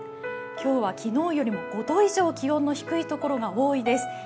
今日は昨日よりも５度以上気温の低いところが多いです。